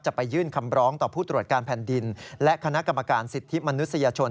ไปยื่นคำร้องต่อผู้ตรวจการแผ่นดินและคณะกรรมการสิทธิมนุษยชน